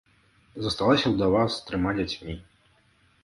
Засталася ўдава з трыма дзяцьмі.